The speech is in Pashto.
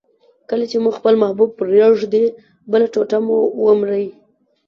کله چي مو خپل محبوب پرېږدي، بله ټوټه مو ومري.